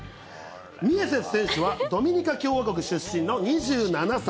ミエセス選手はドミニカ共和国出身の２７歳。